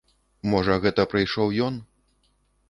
Можа, гэта прыйшоў ён.